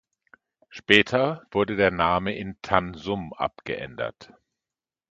Später wurde der Name in Tan Sum abgeändert.